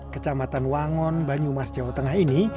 kecamatan wangon banyumas jawa tengah ini